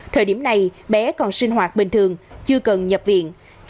thời điểm này bé còn sinh hoạt bình thường chưa cần nhập viện